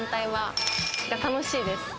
楽しいです。